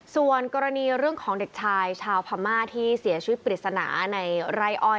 ส่วนกรณีเรื่องของเด็กชายชาวพม่าที่เสียชีวิตปริศนาในไร่อ้อย